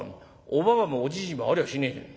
おばばもおじじもありゃしねえ。